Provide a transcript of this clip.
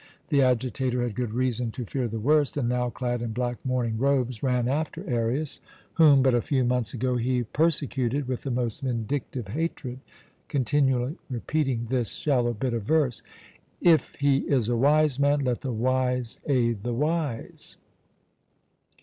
The agitator had good reason to fear the worst; and now, clad in black mourning robes, ran after Arius, whom but a few months ago he persecuted with the most vindictive hatred, continually repeating this shallow bit of verse: "'If he is a wise man, let the wise aid the wise.'